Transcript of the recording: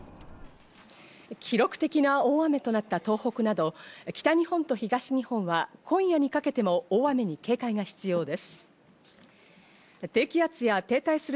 記録的な大雨となった東北など、北日本と東日本は今夜にかけても大雨に警戒が必要です。